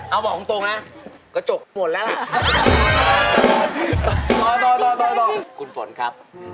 เอาหล่อคุณตรงไว้นะกระจกหมดแล้วล่ะ